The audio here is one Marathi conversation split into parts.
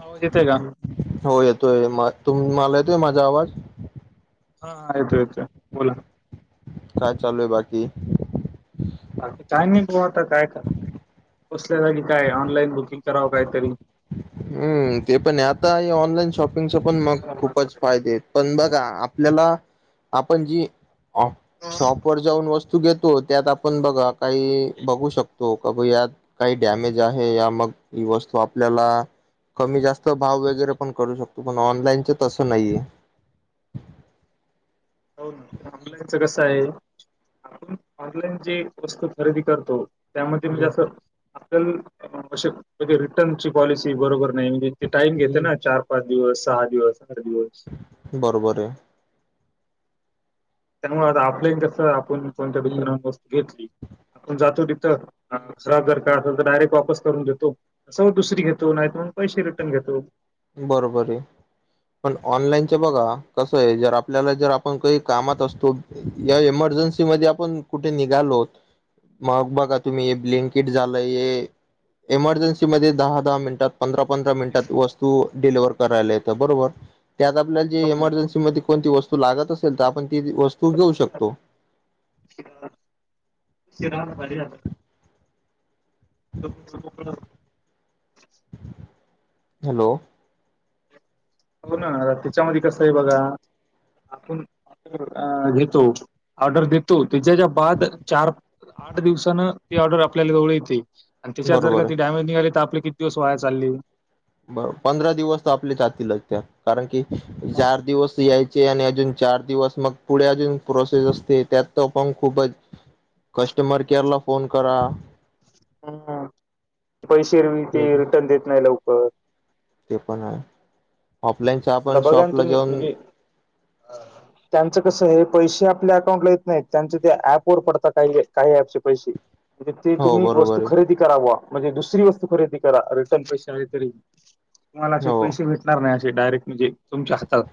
आवाज येतोय का? होय येतोय मग तुम्हाला येतोय माझा आवाज हा हा येतो येतोय बोला. काय चालूए बाकी? बाकी काय नाही बघू आता काय खरं आहे. बसल्या जागी आणि काय ऑनलाइन बुकिंग करावं काहीतरी? हुं ते पण हाय, आता हे ऑनलाईन शॉपिंगचे पण मग हो खूपच फायदे आहेत. पण बघा आपल्याला आपण जी शॉपवर जाऊन बसतो. तू घेतो त्यात आपण बघा काही बघू शकतो. यात काही डॅमेज आहे. या मग ही वस्तू आपल्याला कमी जास्त भाव वगैरे पण करू शकतो पण ऑनलाईनच तसं नाहीये [inaudible] हो आपल्याच कसं हाय. आपण ऑनलाइनची जी वस्तू खरेदी करतो. त्यामध्ये म्हणजे असं आपण म्हणजे रिटर्नची पॉलिसी बरोबर नाही म्हणजे ते टाईम घेते ना चार पाच दिवस सहा दिवस. आठ दिवस बरोबर आहे. त्यामुळं अपल्यात कसं आपून कोणत्या तरी मुलाकडून घेतली. आपण जातो तिथं आणि खराब जर का असेल, तर डायरेक्ट वापस करून देतो, सेम दुसरी घेतो नाहीतर पण पैसे रिटर्न घेतो. बरोबर आहे पण ऑनलाईनचे बघा. कसं आहे जर आपल्याला जर आपण काही कामात असतो या इमर्जन्सीमध्ये आपण कुठे निघालो होत. मग बघा तुम्ही हे ब्लिनकिट झालंय हे इमर्जन्सीमध्ये दहा - दहा मिनिटात पंधरा -पंधरा मिनिटात वस जेवण करायला येतो बरोबर त्यात आपल्याला हो जे इमर्जन्सी मध्ये कोणती वस्तू लागत असेल तर आपण ती वस्तू घेऊ शकतो. शिरा पाली [unintelligible] हॅलो. बघ ना त्याच्यामध्ये कसं आहे बघा. आपण घेतो ऑर्डर देतो त्याच्याच्या बाद चार आठ दिवसान ती ऑर्डर आपल्याला जवळ येते आणि त्याच्यात जर बरोबर का ती आहे डॅमेज निघाली तर आपले किती दिवस व्हाय चालली. बर पंधरा दिवस तर आपली जातीलच त्या कारण की चार दिवस यायचे आणि अजून चार दिवस मग पुढे अजून प्रोसेस असते त्यात त पण खूपच. कस्टमर केअर ला फोन करा. हम् पैसे ते रिटर्न देत नाही लवकर. ते पण आहे. ऑफलाईनच आता आपण बघा ना शॉपला तुम्ही जाऊन म्हणजे त्यांचं कस हे. पैसे आपल्या अकाउंट ला येत नाहीत त्यांचे ते ऍप वर पडतात काही काही ऍपचे पैसे म्हणजे ते हो तुम्ही वस्तू बरोबर आहे खरेदी कराव म्हणजे दुसरी वस्तू खरेदी करा रिटर्न पैसे तरी तुम्हाला असे हो पैसे भेटणार नाही असे डायरेक्ट म्हणजे तुमच्या हातात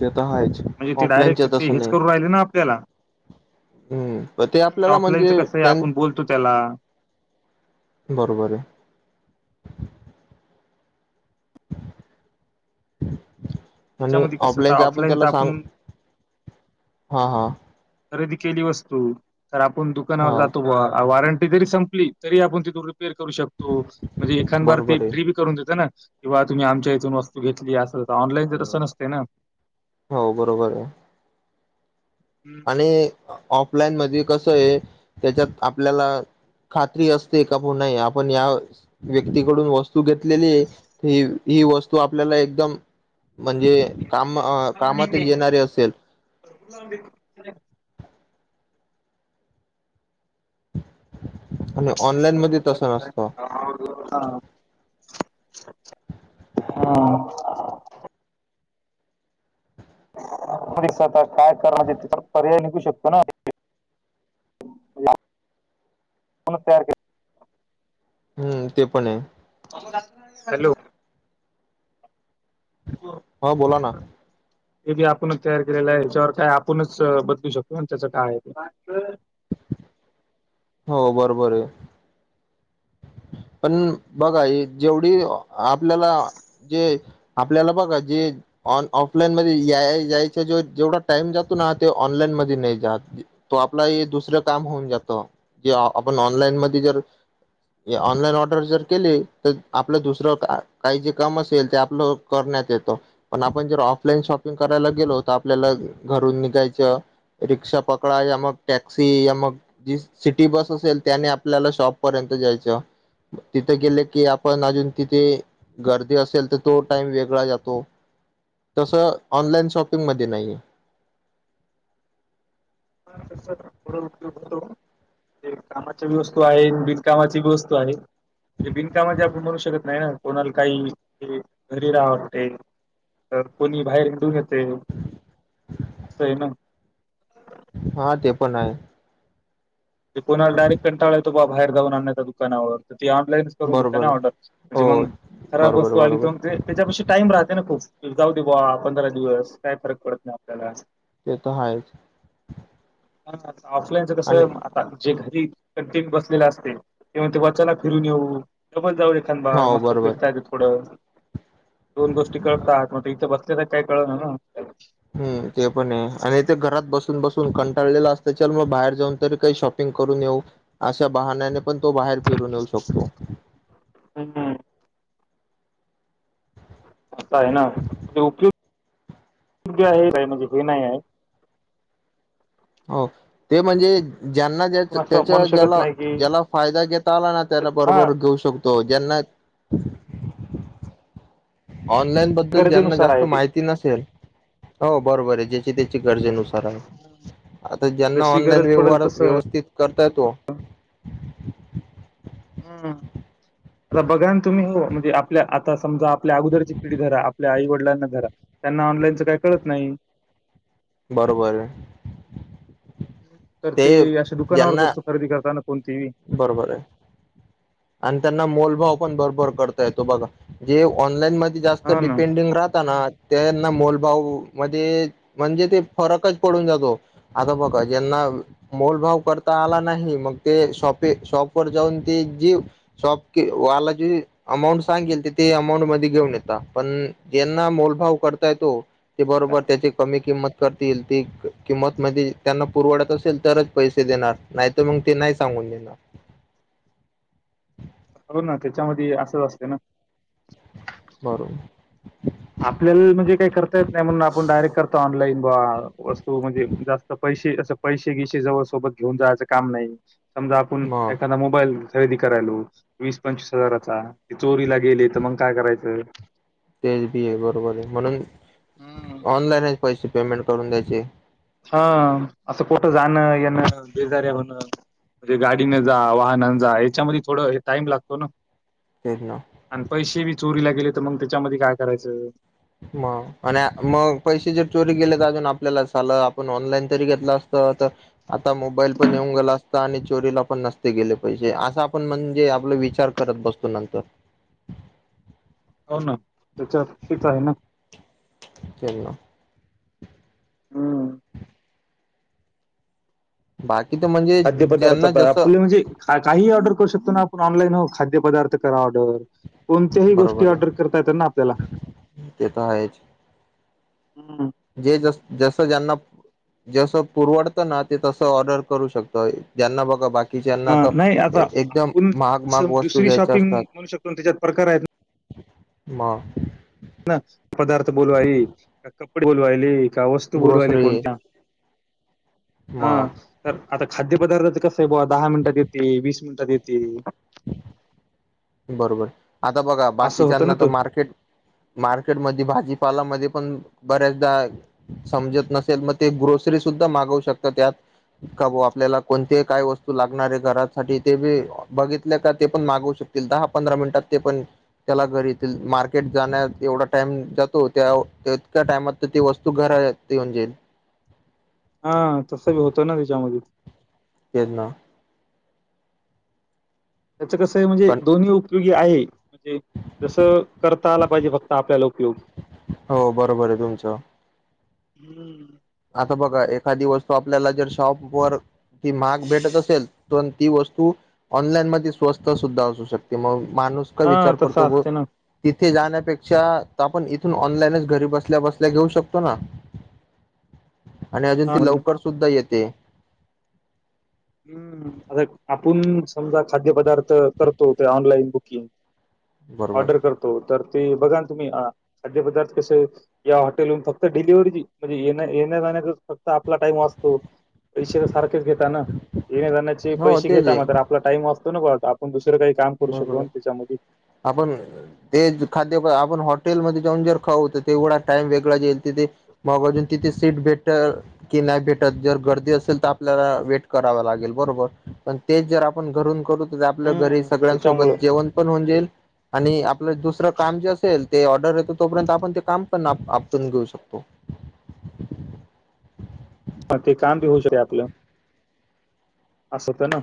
ते तर आहेच म्हणजे ते ऑफलाईनच्या डायरेक्ट ते तसं हेच नाही करून राहिले ना आपल्याला हम्म ते आपल्याला ऑफलाईनच म्हणजे कसं आहे त्यां आपण बोलतो त्याला बरोबर आहे आणि त्याच्यामध्ये कसं ऑफलाईनच्या आपण ऑफलाईनच त्याला सांग हा हा खरेदी केली वस्तू तर आपण दुकानावर हा जातो बा वॉरंटी जरी संपली तरी आपण तिथ र करू शकतो म्हणजे एखांदार ते बरोबर आहे फ्री बी करून देत ना किंवा तुम्ही आमच्या इथून वस्तू घेतली असेल तर ऑनलाईन जर तसं नसते ना हो बरोबर आहे आणि ऑफलाईन मध्ये कस आहे त्याच्यात आपल्याला खात्री असते का पण नाही आपण या व्यक्तीकडून वस्तु घेतलेली ह ही वस्तू आपल्याला एकदम म्हणजे काम कामातच येणारे असेल [unintelligible] आणि ऑनलाईन मध्ये तसं नसतं. [unintelligible] हा आपस आता काय करण्याचे तिचा पर्याय निघू शकतो ना [unintelligible] [unintelligible] हम्म ते पण आहे हॅलो हो बोला ना हे बी आपणच तयार केलेलं आहे याच्यावर काय आपणच बदलू शकतो आणि त्याच काय आहे ते हो बरोबर आहे पण बघा जेवढी आपल्याला जे आपल्याला बघा जे ऑफलाईन मध्ये यायच ज जेवढा टाइम जातो हा ऑनलाईन मध्ये नाही जात तो आपलाही दुसरे काम होऊन जातो म जर ऑनलाईन ऑर्डर जर केली तर आपलं दुसरं काही जे काम असेल ते आपलं करण्यात येत पण आपण जर ऑफलाईन शॉपिंग करायला गेलो तर आपल्याला घरून निघायचं रिक्षा पकडा या मग टॅक्सी या मग जी सिटी बस असेल त्याने आपल्याला शॉप पर्यंत जायची ज तिथे गेले की आपण अजून तिथे गर्दी असेल तर तो टाइम वेगळा जातो तसं ऑनलाइन शॉपिंगमध्ये नाहीय आहे थोडा उपयोग होतो ते कामाच्याी वस्तू आहे बिनकामाची बी वस्तू आहे म्हणजे बिनकामा ज आपण म्हणू शकत नाही ना कोणाला काही घरी राहावस वटते तर कोणी बाहेर हिंडून येते असय ना हा ते पण आहे ते कोणाला डायरेक्टंटाळा य तो बाहेर जान आणण्या त्या दुकानावर ती ऑनलाईनच करून घेते मग बरोबर आहे. ऑर्डर म्हणजे हो मग खराब बरोबर वस्तू आली बरोबर तर ते त्याच्यापाशी टाईम राहते ना खूप जाऊ दे बा पंधरा दिवस काय फरक पडत नाही आपल्याला ते तर आहेच ह ऑफलाईनच कस आणि आता जे घरी क बसलेला असते ते च ते वचाला फिरून येऊ पण जाऊ बा हो मस्त बरोबर फिरता येत थोडं दोन गोष्टी कळतात मग इथं बसत काय कळ ना हम्म ते पण आहे आणि ते घरात बसून बसून कंटाळाअस त्या बाहेर जाऊन त काही शॉपिंग अशा बहाना क पण तो बाहेर फिरून येऊ शकतो हम्म. आता आहे ना उपयगोग आहे काय म्हणजे हे नाही आहे हो ते म्हणजे ज्यांना ज्या आपण असं त्याचा म्हणू शकत ज्याला नाही की ज्याला फायदा घेता आला ना त्याला हा बरोबर घेऊ शकतो ज्यांना [inaudible] ऑनलाईन बद्दल ज्यांना गरजेनुसार जास्त आहे ते. माहिती नसेल हो बरोबर आहे जे त्याची गरजेनुसार आहे यांना जशी ऑनलाईन गरज व्यवहार पडेल तसं व्यवस्थित करताय तो हम्म आता बघाान तुम्ही हो म्हणजे आपल्या आता समजा आपल्या अगोदरची पिढी रा आपल्या आई वडिलांनाधरा त्यांना ऑनलाईनचं काय कळत नाही बरोबर तर ते अशा दुकानावरच असतो खरेदी करताना कोणतीही. बरोबर आहे आणि त्यांना मोलभव पण भरभर करता य तो बघा जे ऑनलाईन मध्ये जास्त हा ना डिपेंडिंग राहताना त्यांना मोलभाव मध्ये म्हणजे ते फरकच पडून जातो आता बघा ज्यांना मोभव करता आला नाही मग ते शॉप शॉप वर जाऊन ते जी शॉप वाला जे अमाऊंट सांगेल ते ते अमाऊंट मध्ये घेऊन ये पण ज्यांना अमोल भाऊ करता येतो ते बरोबर त्याची कमी किंमत करतील त किंमत म त्यांना पुरवडत असेल तरच पैसे देणार नाहीत मग ते नाही सांग म्हन ना हो ना त्याच्यामध्ये अस असते ना बरोबर आपल्याला म्हणजे काही करता येत नाही म्हणून आपण डायरेक्ट करतो ऑनलाईन बा वस्तू म्हणजे जास्त पैसे अस पैसे गिसे जवळ सोबत घेऊन जायचं काम नाही समजा आपण मग एखादा मोबाईल खरेदी करायलो वीस पंचवीस हजाराचा ते चोरीला गेले तर मग काय करायचं तेच बी आहे बरोबर आहे म्हणून हम्म. ऑनलाईनच पैसे पेमेंट करून द्यायचे हा असं कुठं जाणं येणं बेजार्या होणं म्हणजे गाडीने जा वाहनान जा याच्यामध्ये थोडं टाइम लागतो ना तेच ना आणि पैसे बी चोरीला गेले तर मग त्याच्यामध्ये काय करायचं मग आणि मग पैसे जर चोरी केले तर अजून आपल्याला झालं आपण ऑनलाईन तरी घेतला असतो आता मोबाईल पण येऊन गे अस आणि चोरीला पण नसते गे पैसे अस आपण म्हणजे आप विचार करत बसतो नंतर हो ना त्याच्यात ठीक आहे ना केलो हम्म. बाकी तर म्हणजे खाद्य पदार्थ ज्यांना जसं आपल म्हणजे काही ऑर्डर करू शकतो ना आप ऑनलाईन हो खाद्य पदार्थ करा ऑर्डर कोणत्याही गोष्टी बरोबर ऑर्डर आहे करता येत ना आपल्याला ते तर आहेच हम्म. जे ज जस जेना जस परवडत ना ते तस ऑर्डर करू शकत ज्यांना बघ बा कि जना हा, नाही तर आता एकदम आपण महाग महाग असं वस्तू दुसरी घ्यायच्या शॉपिंग असतात. म्हणू शकतो ना, त्याच्यात प्रकार आहेत ना. म पदार्थ बोलवायली कपडे बोलवायले का वस्तू बोलवायले ग्रोसरी कोणतती. हा मग तर आता खाद्य पदार्थच कस आहे बा दहा मिनिटात येते वीस मिनिटात येते बरोबर आता बघा असं होतं बाकीच्याना ना तर तो मार्केट मार्केटमध्ये भाजीपाला म पण बऱ्याचदा समजत नसेल मग ते ग्रो दरी सुद्धा मागवू शकत त्यात का भा आपल्याला कोणती काय वस्तू लागणार आहे घरासाठी ते बी बघितले का ते पण मागू शकत. दहा पंधरा मिनिटात ते पण. त्याला घरी मार्केट जाण्या एवढा टाइम जातो त्या तत्या टाइमात तर ती वस्तू घरा. का येऊन जाईल हा तसं बी होतं ना त्याच्यामध्ये ये ना त्याचं कसं आहे म्हणजे पण दोन्ही उपयोगी आहे. म्हणजे जस करता आला पाहिजे फक्त आपल्याला उपयोग. हो बरोबर आहे तुमचं हम्म आता बघा एखादी वस्तू आपल्याला जर शॉप वर. ती महाग भेटत असेल प ती वस्तू ऑनलाईन मध्ये स्वस्त सुद्धा असू शकते मग. माणूस का हा विचार करतो तसं व असते ना तिथ इथे जाण्यापेक्षा आपण इथून ऑनलाईनच घरी बसल्या बसल्या घेऊ शकतो ना. आणि अजून हा ती मधी लवकर सुद्धा येते हम्म आता आपण समजा खाद्य पदार्थ करतो ते ऑनलाइन बुकिंग. बरोबर ऑर्डर करतो तर. ते बघा तुम्ही खाद्य पदार्थ कसे या हॉटेलून फक्त डिलिव्ही म्हणजे ये येण जान [unintelligible] आपला टाइम वाचतो पैसे सारखेच घेता ना ये जाण्याचे पै हो तेच घेता आहे मात्र आपला टाइम असतो ना आपण दुसरं काही काम करू शकतो बरोबर ना त्याच्यामध्ये आपण ते खाद्य आपण हॉ हॉटेलमध्येध्ये जाऊन जर खाऊत तेवढा टाइम वेगळा जाईल तिथे मग बाजून तिथे सीट भेट नाही भेटत जर गर्दी असेल तर आपल्याला वेट करा लागेल बरोर पण ते जर आपण घरून करू आपल्या घरी हम्म सगळ्यांसोबत त्याच्यामुळं जेवण पण होऊन जाईल आणि आपलं दुसरं काम जे असेल. ते ऑर्डर येतो तोपर्यंत आपण ते काम पण आपटून घेऊ शकतो [inaudible] पन ते काम बी होऊ शके आपलं असंत ना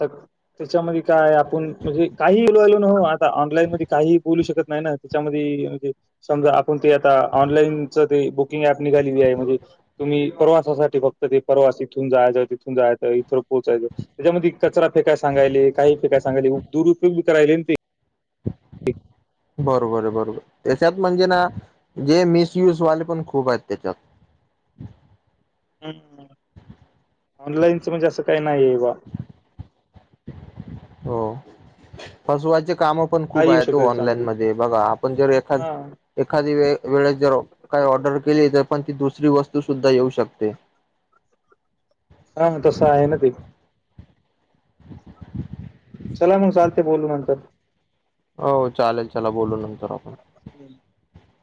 त्याच्यामध्ये काय आपण म्हणजे काहीलो न आता ऑनलाईन मध्ये काही बोलू शकतो नाही त्याच्यामध्ये समजा आपण ते आता ऑनलाईनच ते बुकिंग ऍप निघालेली आहे म्हणजे. तुम्ही प्रवासासाठी फक्त ते प्रवास इथून जायच तिथून जायच इथं. पोचायच त्याच्यामध्ये कचरा फेकाय सांगाय काही फेकायांगाय दुरुपयोगीरा. त म्हणजे ना जे मिसयज वाले पण खूप आहेत त्याच्यात हम् ऑनलाईनच म्हणजे असं काही नाही आहे बा. हो फसवायचे [inaudible] काम पण खूप काही येऊ आहे शकत तो ऑनलाईन त्याच्यामध्ये मध्ये बघा आपण जर एखाद हा [inaudible] एखादी वेळेस जर काही ऑर्डर केली तर पण ती दुसरी वस्त [inaudible] तू सुद्धा येऊ शकते [inaudible] हा मग तसं आहे ना ते चला मग चालते बोलू नंतर [inaudible] हो चालेल चला बोलू नंतर आपण [inaudible]